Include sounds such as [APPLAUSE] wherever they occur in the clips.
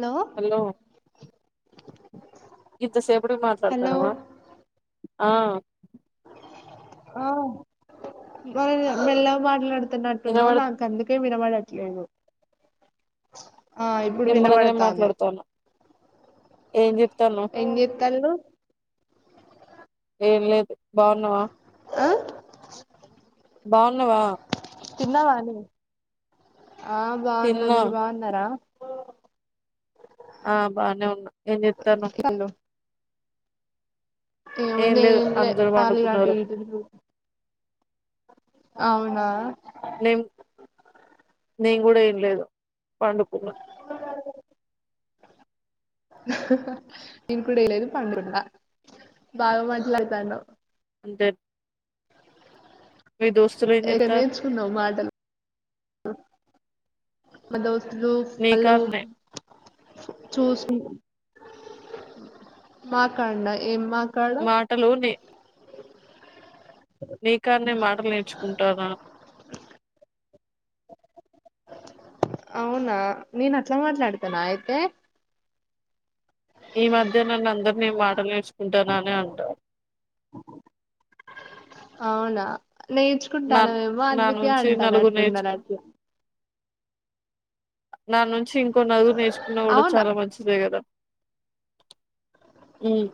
Hello గింత సేపటికి hello మాట్లాడుతానవా ఆ ఆ బాగ మెళ్ళగ మాట్లాడు తున్నట్టున్నావ్ వినబడు నాకు అందుకే వినవడట్లేదు ఆ ఇప్పుడు నిమ్మలంగానే వినబడుతాంది మాట్లాడుతాను ఏం చెప్తానవ్ ఎం చేతల్లు ఏం లేదు బాగున్నావా ఆ బాగున్నావా తిన్నావానే ఆ బాగున్నా తిన్నా మీరు బాగున్నారా ఆ బానే ఉన్నా ఎం చెస్తానవ్ ఎం ఏం ఉందే లేదు ఎం లే అందరు కాళీ అటు పండుకున్నారు ఇటు తిరుగు అవునా నేం నేను కూడా ఏం తినలేదు పండుకున్న నేను కూడాలేదు పండుకున్నా బాగా మాట్లాడుతానవ్ జ్ మీ దోస్తులీ ఎం ఎక్కడ చెత్తర్రు నేర్చుకున్నావు మాటలు మ దోస్తులూ వాళ్ళు నీకాన్నే చూసున్ మాకాడ్ న ఏం మా మాటలూ నె నీకాన్నె మాటలు నేర్చుకుంటానా అవునా నేను అట్ల మాట్లాడతనా అయితే ఈ మధ్య నన్ను అందర్నీ మాటలు నేర్చుకుంటాన అనే అంటారు [INAUDIBLE] అవునా నా నేర్చుకుంటానవేమో నా అందుకే నుంచి నలుగురు అంటానట్టున్నారు నేర్చుకు అందరూ నా నుంచి ఇంకో నలుగురు నేర్చుకున్నా కూడ అవునా చాలా మంచిదే కదా హ్మ్.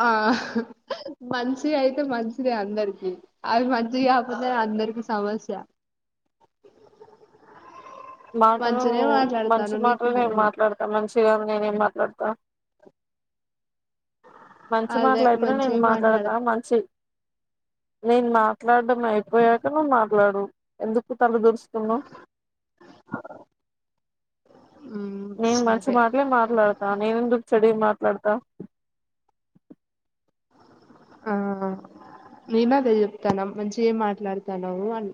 ఆ మన్స్ ది అయితే మంచిదే అందరికి అవి మంచి కాకపోతే అందరికి సమస్య [INAUDIBLE] మాటలూ మంచినే మాట్లాడతాను మంచి నీకు మాటల్ నేన్ మాట్లాడుతా మంచి చిదాన్నే నేనేం మాట్లాడ్తా మంచి అదే మాట్లాయితేనే నేన్ మంచిగా మాట్లాడతా మాట్లాడత మంచి నేన్ మాట్లాడ్డం అయిపోయాక నువ్వు మాట్లాడు ఎందుకు తల దూర్స్ స్తున్నవ్ నేను మంచి సరే మాట్లే మాట్లాడతా నేనెందుకు చెడు ఏం మాట్ ట్లాడతా మ్మ్ నేను అదె చెప్తాన మంచిగేం మాట్లాడతనవూ అని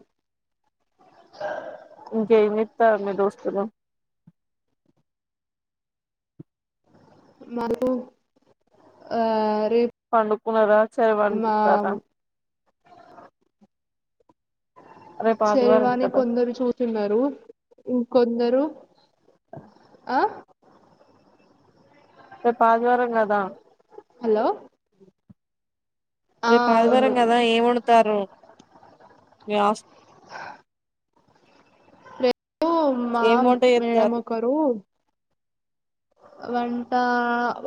ఇంకేమిత్తారు మి దోస్తులు మాకు ఆ రేపు పండుకున్నారా చెర్ మా [UNINTELLIGIBLE] ఆదివారం చెర్వాని కదా కొందరు చూసున్నరూ ఇన్ కొందరు ఆ రేపు ఆదివారం కదా హలో ఆ రేపు అవును ఆదివారం కదా ఏం వండుతారు మీ హాస్ హ ఓ మా ఏం వంట మేడం చేస్తారు ఒకరు వంటా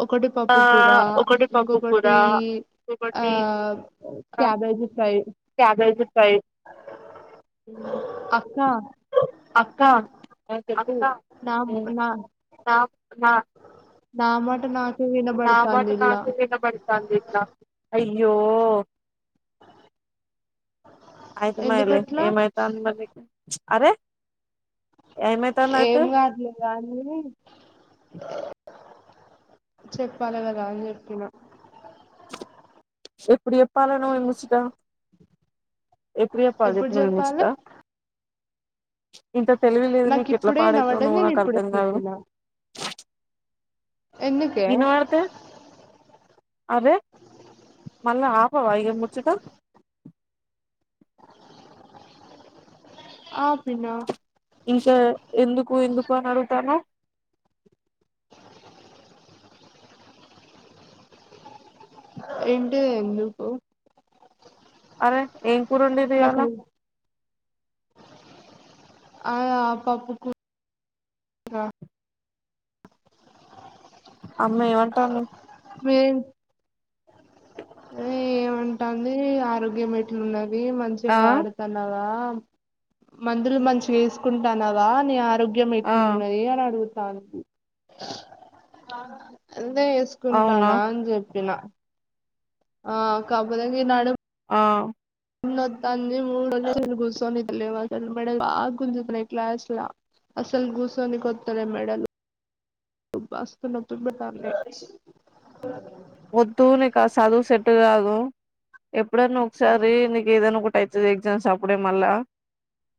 ఒకటి ఆ పప్పు కూర ఒకటి పప్పు కూర ఇంకొకటీ ఆ ఒకటి ఆహ్, క్యాబేజీ ఫ్రై క్యాబేజీ [INAUDIBLE] అక్కా అక్కా అక్కా నాక్ నా నా మాట నాక్ నా మాట నాకు వినపడతాంది దీంట్ల అయ్యో అయితే మాన్లే ఎందుకట్లా ఏమైతాంది మరి నీకు అరె ఏం కాదులె కానీ చెప్పాలి కద అని చెప్పిన ఎప్పుడు చెప్పాలి నువ్ ఈ ముచ్చట ఎప్పుడు చెప్పాలి చెప్పు నువ్వు ఈ ముచ్చట ఇంత తెలివి లేదు నాకు నీకు ఎట్ల ఇప్పుడే వినపడ్డది పాడైతన్నావో నేను నాకు ఇప్పుడే అర్ధం కాదు చెప్పిన ఎందుకే వినబడితే అరే మళ్ళ ఆపవా ఇగ ముచ్చట ఆపినా ఈశా ఎందుకు ఎందుకు అని అడుగుతన్నవ్ ఎంటే ఎందు పొ అరే ఏం కూర ఒండిరు నాకు ఇయాల ఆయా పప్పు కూ [INAUDIBLE] ర అమ్మ ఏమంటాంది ఏ ఏమంటాంది ఆరోగ్యం ఎట్ల ఉన్నది మంచిగ ఆ వాడుతున్నావా మందులు మంచిగ ఏసుకుంటానవా నీ ఆరోగ్యం ఆ ఎట్లున్నదీ అని అడుగుతు అందే అవునా ఏసుకుంటానా అని జెప్ పిన ఆ కాపోతె నీ నడుం ఆ ఉండొద్దంది మూడు [UNINTELLIGIBLE] గూసోని లేవాల [UNINTELLIGIBLE] మెడల్ బా గుంజతున్నయ్ క్లాస్ల అసలు గూసోనికొత్తలే మెడలు బస్తు నొప్పి బెత్తాంది వొద్దు నీకు ఆ సదువు సెట్టు గాదు ఎప్పుడన్న ఒకసారి నీకు ఏదన ఒక అయితది ఎగ్జామ్స్ అప్పుడే మళ్ళా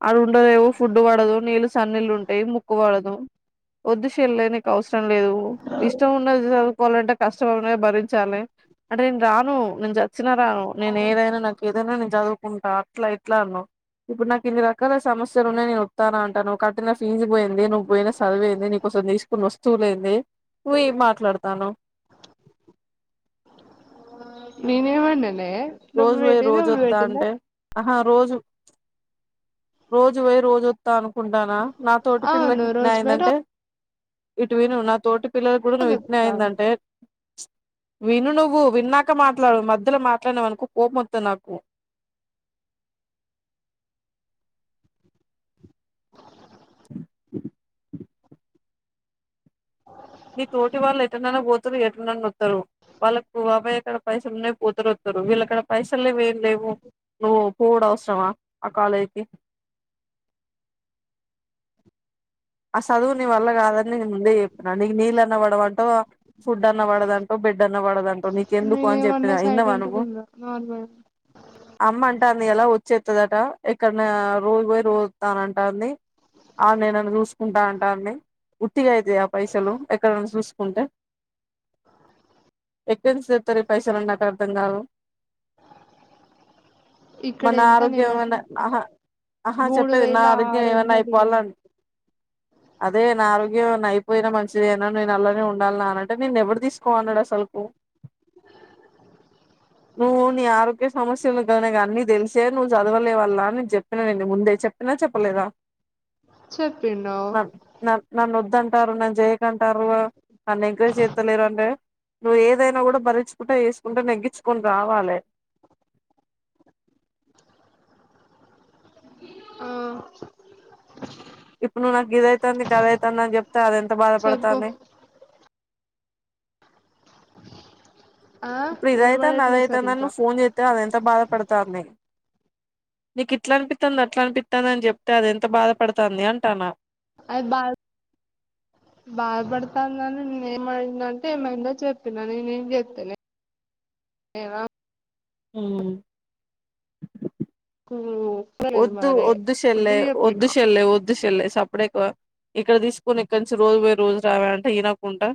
ఆడ ఉండనేమో ఫుడ్డు పడదు నీళ్ళు సన్నీళ్ళు ఉంటయ ముక్కు వడదు ఒద్దు శెల్లే నీకు అవసరం లేదు ఇష్టం ఉన్నది చదువుకోవాలంటే కష్ట నువే భరించాలి అంటే నేను రాను నేను చచ్చినా రాను నేను ఏదైనా నాకు దనా నేన్ చదువుకుంటా అట్లా ఇట్లా అన్నవ్ ఇప్పుడు నాకు ఇన్ని రకాల సమస్యలున్నయ్, నేను ఒత్తానంటనవ్ కట్టిన ఫీజ్ బోయింది, నువ్ బొయిన సదువేంది నీకు. సొ దిసుకున్న వస్తువులేంది నువ్ ఏం మాట్లాడతాన్నవ్ నువ్ వెట్టందే వెట్టింద అహా రోజు రోజు వొయ్ రోజు ఒత్తా అనుకుంటానా నా తోటి పిల్లకు అవును ఇట్ల రోజు పై అయిందంటే ఇటు విను నా తోటి పిల్లల గూడా నువ్ ఇట్నే రోజు అయిందంటే విను నువ్వు విన్నాక మాట్లాడు మధ్యలో మాట్లాడినవ్ అను కొ కోప్మొత్తద్ నాకు అ నీ తోటి వాళ్ళు ఎట్టనన్న వోతరు ఎట్లనన్న ఒత్తరు వాళ్ళకు అవ్వ అయ్య కాడ పైసలు ఉన్నయ్ పోతరు ఒత్తరు, వీళ్ళ కాడ పైసల్ లేవు ఏం లేవు నువ్వు. పోవుడు అవసరమా ఆ కాలేజ్కి ఆ సదువు నీ వల్ల గాదని నేను ముందే ఎప్పిన నీకు నీళ్ళన్న వడవంటవ్ ఫుడ్ అన్న వడదంటవ్, బెడ్ అన్న వడదంటవ్, నీకు ఎందుకు అని చెప్పిన నేనేమన్నా ఇన్నవా సైలెంట్ నువ్వు గున్నా నార్మల్ అమ్మ అంటాంది ఇయాల ఒ చెత్తదట ఎక్కడ్నా రోజు బొయ్ రోజ్ ఒత్తానంటాంది ఆడ్నే నన్ను జూస్ కుంటా అంటాంది ఉట్టిగ అయితయా పైసలు ఎక్కడన చూసుకుంటే ఎక్కన్నుంచి దెత్తరు ఈ పైసలన్ నాకు అర్థం గాదు ఇక్కడ మన ఎంత ఆరోగ్యం నెలకు మన అహా అహా మూడు చెప్పేది నా వేల ఆరోగ్యం ఆరు ఏమన్న వందలు అయిపోవాలన్ అదే నా ఆరోగ్యం ఏమన్న అయిపోయినా మంచిదేనా, నేను అల్లానే ఉండాల్నా, అనంటే నిన్ను ఎవడు దీసుకో అన్నడు అస. అసలు కు నువ్వు నీ ఆరోగ్య సమస్యలు కన అన్నీ తెలిసే నువ్వు చదవలేవల్ల అని చెప్పిన నేని ముందే చెప్. నా చెప్పలేదా చెప్పిండు నన్ నా నన్ వద్ అంటారు నన్ జయకంటారు నన్ ఎంకరేజ్ చేతలేరు అంటే నువ్వు ఏదైనా కూడ భరిచుకుంటా వేసుకుంటా నెగ్గించుకొని రావాలె ఆ ఇప్పుడు నువ్వు నాకు గిది అయితాంది, అది అయితాంది అని చెప్తే అది ఎంత చెప్పు బాధపడతాంది. ఆ ఇప్పుడు ఇదైతే వినబడట్లే నాదైతేనని సరిగ్గా నువ్వు ఫోన్ చేస్తే అదంత బాధపడతాంది నీకు ఇట్లా అనిపిస్తాంది అట్లా అనిపిస్తాంది అని చెప్తే అది ఎంత బాధపడుతాంది అంటాన్నా అది బాద్ [INAUDIBLE] బాధపడుతాందని నేను ఏమైందంటే ఏమైందో చెప్పినా నేనేం చెప్తలే ఏవ హు కూ ఒద్దు ఒద్దు చెల్లె ఒద్దు చెల్లె ఒద్దు చెల్లె సప్ ఇక్కడ తీసుకొని ఇక్కడి నుంచి రోజు పోయి, రోజు రావే అంటే ఇనకుంటా.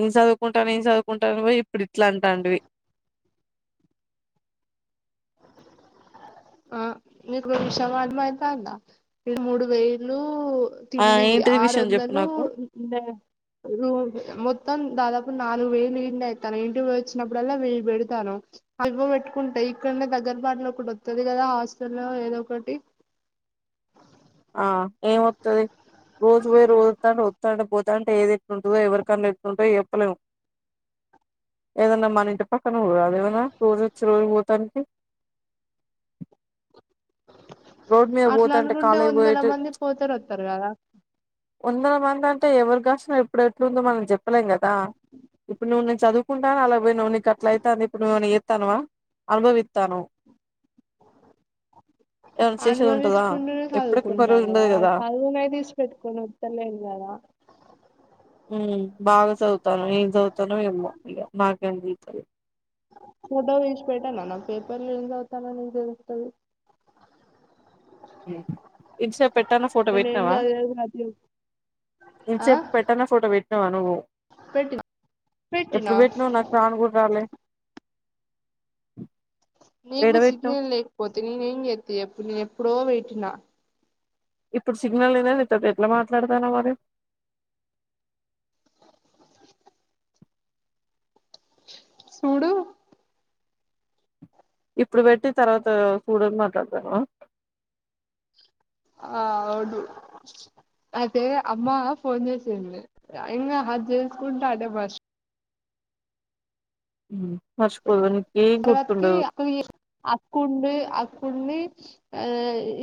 ఏం చదువుకుంటా ఏం చదువుకుంటా అని పోయి ఇప్పుడు ఇట్లా అంటాంటివి [INAUDIBLE] ఆ మీకు ఒక విషయం అర్దమయితాందా ఇది మూడు వేలు ఆ తిండికి ఏంటిది విషయం చెప్పు ఆరొందలు నాకు మే రూమ్ మొ త్తం దాదాపు నాలుగు వేలు ఈడనే అవుతాన్నయి. ఇంటికి పోయి వచ్చినప్పుడల్లా వెయ్యి పెడతాను అవ్వి పెట్టుకుంటయి. ఇక్కడనే దగ్గరపాటులో ఒకటి వత్తది కదా హాస్టలో ఏదో ఒకటి ఆ ఏం వత్తది రోజు పోయి, రోజు వత్తాంటే వత్తాంటే పో. తా అంటే ఏది ఎట్టుంటుందో, ఎవరి కండ్లు ఎట్టుంటదో చెప్పలేం. ఏదన్నా మన ఇంటి పక్కన ఊరా అదేమన్నా రోజు వచ్చి రోజు పోతానికి. [INAUDIBLE] రోడ్ మీద అట్లా పోతాంటే అనుకుంటే కాలేజ్ కి వందల పోయిటు మంది పోతారు వత్తరు కదా వందల మంది అంటే ఎవరు కాసినా ఎప్పుడు ఎట్టుందో మనం చెప్పలేం కదా. ఇప్పుడు నువ్వు నేను చదువుకుంటాను అలాగ పోయినవు, నీకు అట్లాగ అయితాంది ఇప్పుడు నువ్వు ఏమన్నా చేత్తాన్నవా. అనుభవిత్తాన్నవ్ అనుభవిచ్చుకుంటూనే ఎప్పటికి ఒక రోజు చదువుకుంటాను ఉండదు ఆ కదా చదువును ఏడ తీసి పెట్టుకోను. త్తలేం కదా ఉమ్ బాగా చదువుతాను ఏం చదువుతానో ఏమో ఇగ మాక్ కనిపించలే. ఫోటో తీసి పెట్టనా నా పేపర్లు ఏం చదువుతానో నని తెలుస్తది. ఇంట్ సేప్ పెట్టన ఫోటో నేను ఏం పెట్టినావా, చదివేది ప్రతి ఆ ఇంతసేపు పెట్టన ఫోటో పెట్టినావా నువ్వు. పెట్టినా పెట్టినా ఎప్పుడు పెట్టినావు నాకు రాను కూడ రాలే. [INAUDIBLE] ఏడ నీకు పెట్టినావు సిగ్నల్ లేకపోతే నేను ఏం చేత్తి చెప్పు నేను ఎప్పుడో పెట్టినా. ఇప్పుడు సిగ్నల్ లేదా నీతోటి ఎట్లా మాట్లాడతున్నా మరి. [INAUDIBLE] సూడు ఇప్పుడు పెట్టి తర్వాత చూడని మాట్లాడతావా ఆ అవును అయితే అమ్మ ఫోన్ చేసింది ఇంగ హగ్ చేసుకుంటాండే మర్స్ ఉమ్ తర్వాతకి అక్కకు జేసి అక్కుండి అక్ కుండి ఆ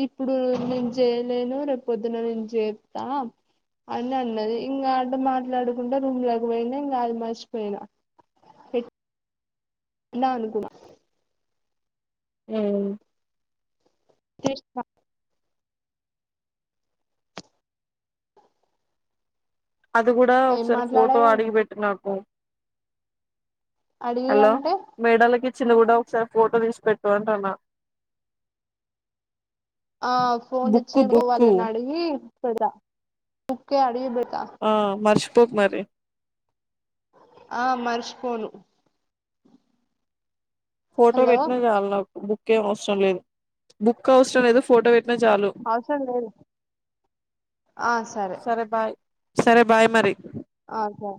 ఇప్పుడు నేను జేయలేను రేపు పొద్దున నేను జేత్తాం అని అన్నది ఇంగా అట్ట మాట్లాడుకుంటా రూమ్లోకి పోయినా ఇంగ అది మర్షిపోయినా పెట్ నా అనుకున్నా ఉమ్ క్రిష్ణా అది కూడా ఏం ఒకసారి ఫోటో మాట్లాడావు అడిగి పెట్టు నాకు అడిగి హలో అంటే మేడలోకి చిన్న కూడా ఒకసారి ఫోటో తీసి పెట్టు అంటన్నా ఆ ఫోన్ ఇచ్చిండు వాళ్ళని అడిగి పెడతా బుక్కే అడిగి పెడతా ఆ మర్చిపోక్ మరి ఆ మర్చిపోను ఫోటో హలో పెట్టినా చాలు నాకు బుక్ ఏం అవసరం లేదు బుక్ అవసరం లేదు ఫోటో వెట్ నాచాలు అవసరం లేదు సరే బాయ్ సరే బాయ్ మరి ఆహా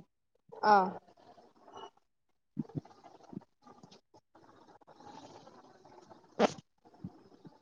ఆ